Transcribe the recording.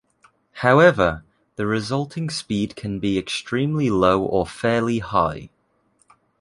However, the resulting speed can be extremely low or fairly high.